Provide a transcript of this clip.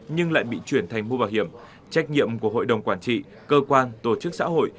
nhưng lại bị chuyển thành mua bảo hiểm trách nhiệm của hội đồng quản trị cơ quan tổ chức xã hội